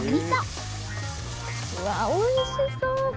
うわおいしそう！